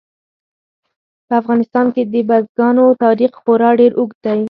په افغانستان کې د بزګانو تاریخ خورا ډېر اوږد دی.